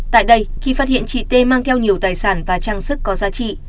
tại đây khi phát hiện chị t mang theo nhiều tài sản và trang sức có giá trị